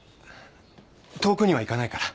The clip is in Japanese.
遠くには行かないから。